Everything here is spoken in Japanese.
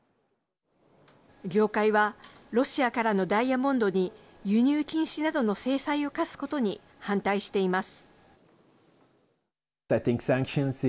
業界はロシアからのダイヤモンドに輸入禁止などの制裁を科すことに反対しています。